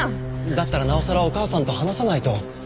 だったらなおさらお母さんと話さないと。